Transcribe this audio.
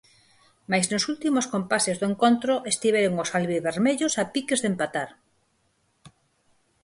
Mais nos últimos compases do encontro estiveron os albivermellos a piques de empatar.